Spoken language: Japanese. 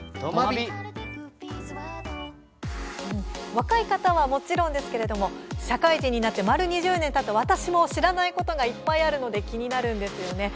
若い方は、もちろんですけれども社会人になって丸２０年の私も分からないことがいろいろあって気になりますよね。